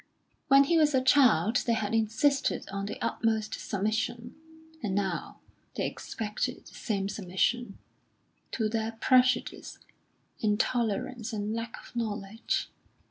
When he was a child they had insisted on the utmost submission, and now they expected the same submission to their prejudice, intolerance, and lack of knowledge.